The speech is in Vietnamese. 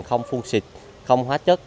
không phun xịt không hóa chất